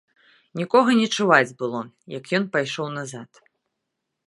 Нікога не чуваць было, як ён пайшоў назад.